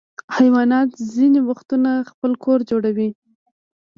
حیوانات ځینې وختونه خپل کور جوړوي.